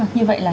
như vậy là